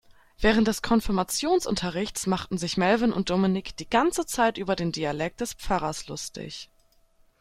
Während des Konfirmationsunterrichts machten sich Melvin und Dominik die ganze Zeit über den Dialekt des Pfarrers lustig.